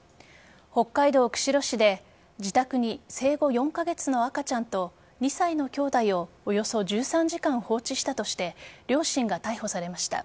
北海道釧路市で自宅に生後４カ月の赤ちゃんと２歳の兄弟をおよそ１３時間放置したとして両親が逮捕されました。